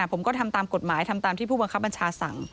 ผมก็ทำตามกฎหมายทำตามที่ผู้บังคับบัญชาสั่ง